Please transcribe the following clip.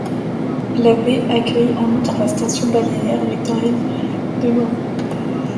La baie accueille en outre la station balnéaire victorienne de Mumbles.